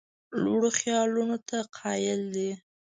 لوړو خیالونو ته قایل دی.